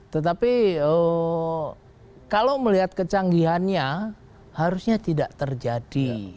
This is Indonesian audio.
tetapi kalau melihat kecanggihannya harusnya tidak terjadi